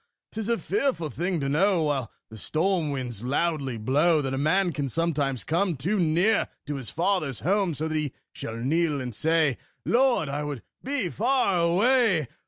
'Tis a fearful thing to know, While the storm winds loudly blow, That a man can sometimes come Too near to his father's home; So that he shall kneel and say, "Lord, I would be far away!"